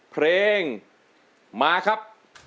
เพลงมาครับ